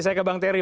saya ke bang terry